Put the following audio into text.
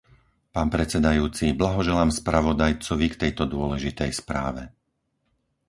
Pán predsedajúci, blahoželám spravodajcovi k tejto dôležitej správe.